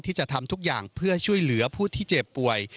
ที่จะทำทุกอย่างเพื่อช่วยเหลือผู้ที่เจ็บป่วย